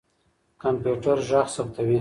کمپيوټر ږغ ثبتوي.